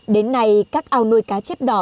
đến nay các ao nuôi cá chép đỏ